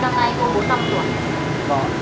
bây giờ như thế này cô nói xóa không